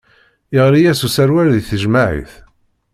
Iɣli-yas userwal di tejmaɛit.